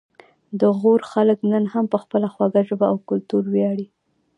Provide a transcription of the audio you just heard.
د غور خلک نن هم په خپله خوږه ژبه او کلتور ویاړي